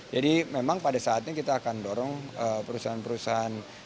jadi memang pada saatnya kita akan dorong perusahaan perusahaan